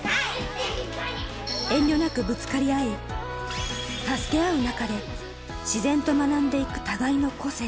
遠慮なくぶつかり合い、助け合う中で、自然と学んでいく互いの個性。